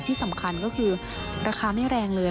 ที่สำคัญก็คือราคาไม่แรงเลย